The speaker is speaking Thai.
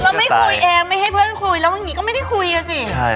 เราไม่คุยเองไม่ให้เพื่อนคุย